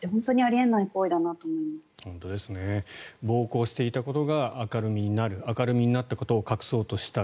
暴行していたことが明るみになる明るみになったことを隠そうとした。